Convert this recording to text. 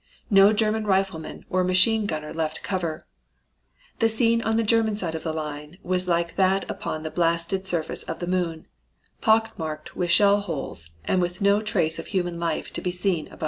No German rifleman or machine gunner left cover. The scene on the German side of the line was like that upon the blasted surface of the moon, pock marked with shell holes, and with no trace of human life to be seen above ground.